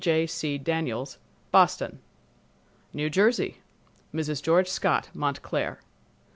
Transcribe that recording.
J. C. Daniels, Boston. New Jersey—Mrs. George Scott, Montclair.